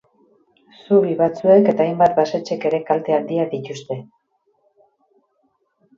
Zubi batzuek eta hainbat basetxek ere kalte handiak dituzte.